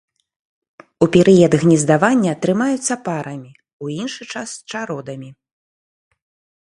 У перыяд гнездавання трымаюцца парамі, у іншы час чародамі.